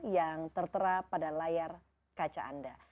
yang tertera pada layar kaca anda